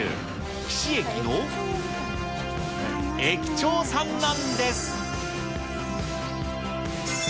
貴志駅の駅長さんなんです。